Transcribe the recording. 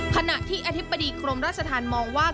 ขณะที่อธิบดีกรมราชธรรมมองว่า